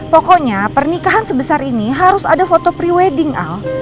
pokoknya pernikahan sebesar ini harus ada foto priwedding al